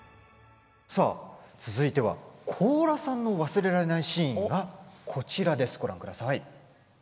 さあ、続いては高良さんの忘れられないシーンがこちらです、ご覧ください。